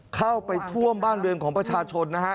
เข้าไปท่วมบ้านเรือนของประชาชนนะฮะ